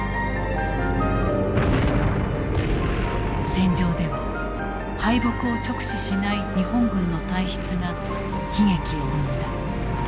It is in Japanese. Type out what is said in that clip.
戦場では敗北を直視しない日本軍の体質が悲劇を生んだ。